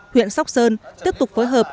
huyện sóc sơn tiếp tục phối hợp